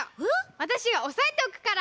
わたしがおさえておくから！